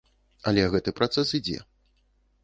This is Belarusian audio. Але гэты працэс ідзе.